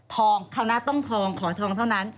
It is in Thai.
ทองเขาน่าต้องทองขอทองเท่านั้น